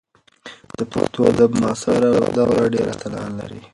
د پښتو ادب معاصره دوره ډېر اتلان لري.